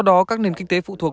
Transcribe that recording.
do đó các nền kinh tế phụ thuộc